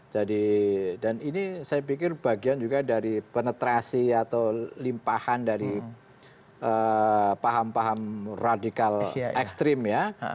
jadi dan ini saya pikir bagian juga dari penetrasi atau limpahan dari paham paham radikal ekstrim ya